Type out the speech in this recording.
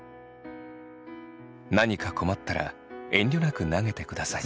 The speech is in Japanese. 「何か困ったら遠慮なく投げてください」。